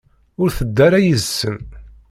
Ur tedda ara yid-sen.